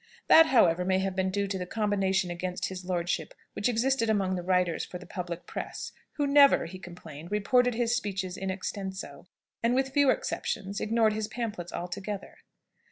That, however, may have been due to the combination against his lordship which existed among the writers for the public press, who never, he complained, reported his speeches in extenso, and, with few exceptions, ignored his pamphlets altogether.